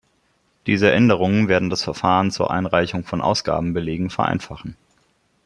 Diese Änderungen werden das Verfahren zur Einreichung von Ausgabenbelegen vereinfachen.